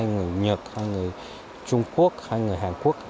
người nhật người trung quốc người hàn quốc